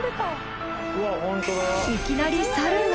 いきなりサルが！